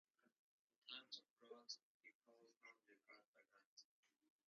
In times of drought they call upon their god by night.